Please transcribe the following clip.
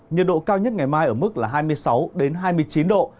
nhiệt độ cao nhất ngày mai ở mức là hai mươi sáu hai mươi chín độ